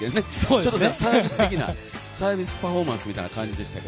ちょっとサービスパフォーマンスみたいな感じでしたが。